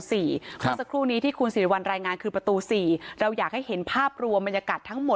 เมื่อสักครู่นี้ที่คุณสิริวัลรายงานคือประตู๔เราอยากให้เห็นภาพรวมบรรยากาศทั้งหมด